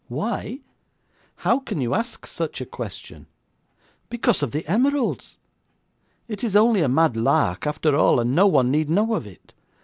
'Why? How can you ask such a question? Because of the emeralds. It is only a mad lark, after all, and no one need know of it.